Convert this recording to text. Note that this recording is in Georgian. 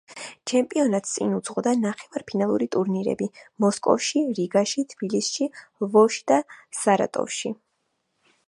ჩემპიონატს წინ უძღოდა ნახევარფინალური ტურნირები მოსკოვში, რიგაში, თბილისში, ლვოვში და სარატოვში.